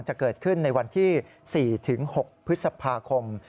จะเกิดขึ้นในวันที่๔๖พฤษภาคม